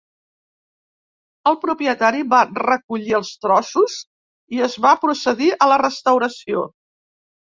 El propietari va recollir els trossos i es va procedir a la restauració.